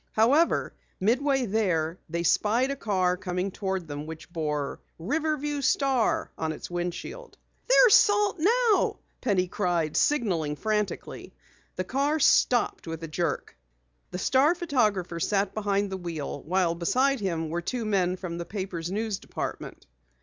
However, midway there, they spied a car coming toward them which bore "Riverview Star" on its windshield. "There's Salt now!" Penny cried, signaling frantically. The car stopped with a jerk. The Star photographer sat behind the wheel, while beside him were two men from the paper's news department.